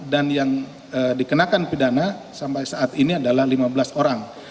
dan yang dikenakan pidana sampai saat ini adalah lima belas orang